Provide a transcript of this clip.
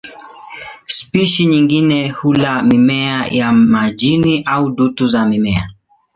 Spishi nyingine hula mimea ya majini au dutu za mimea.